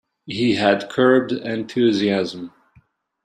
He had curbed enthusiasm.